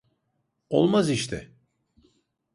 Olmaz işte.